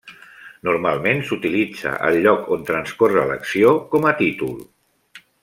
Normalment s'utilitza el lloc on transcorre l'acció com a títol.